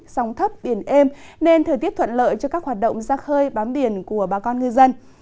sóng thấp biển êm nên thời tiết thuận lợi cho các hoạt động ra khơi bám biển của bà con ngư dân